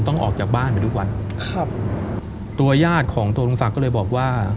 ออกจากบ้านไปทุกวันครับตัวญาติของตัวลุงศักดิ์ก็เลยบอกว่า